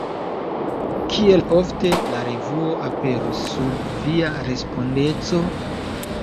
Kiel ofte la revuo aperos sub via respondeco?